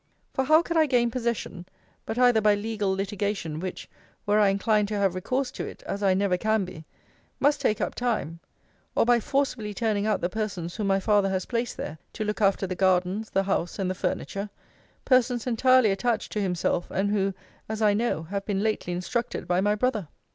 For how could I gain possession, but either by legal litigation, which, were I inclined to have recourse to it, (as I never can be,) must take up time; or by forcibly turning out the persons whom my father has placed there, to look after the gardens, the house, and the furniture persons entirely attached to himself, and who, as I know, have been lately instructed by my brother?